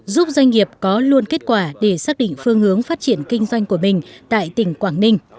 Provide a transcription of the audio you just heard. giúp doanh nghiệp có luôn kết quả để xác định phương hướng phát triển kinh doanh của mình tại tỉnh quảng ninh